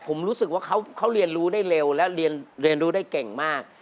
ผมรู้สึกว่าเขาเรียนรู้ได้เร็วและเรียนรู้ได้เก่งมาก